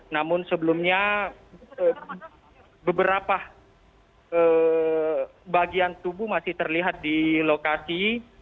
namun sebelumnya beberapa bagian tubuh masih terlihat di lokasi